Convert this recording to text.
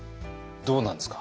どうなんですか？